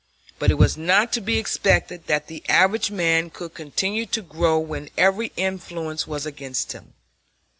But it was not to be expected that the average man could continue to grow when every influence was against him.